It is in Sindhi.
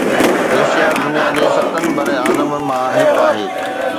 ايشيا دنيا جي ستن براعظمن مان هڪ آهي